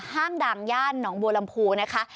ดังย่านหนองบัวลำพูนะคะ